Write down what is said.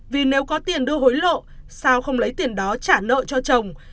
vì nếu có tiền đưa hối lộ sao không lấy tiền đó trả nợ cho chồng